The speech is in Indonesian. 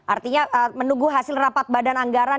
artinya menunggu hasil rapat badan anggaran